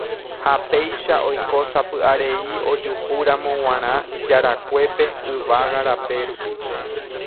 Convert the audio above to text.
ha péicha oiko sapy'arei ojuhúramo g̃uarã ijarakuépe yvága rape rupi.